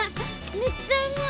めっちゃうまい！